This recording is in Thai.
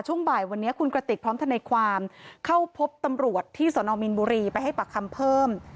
ช่วงบ่ายวันนี้คุณกระติกพร้อมทนายความเข้าพบตำรวจที่สนมีนบุรีไปให้ปากคำเพิ่ม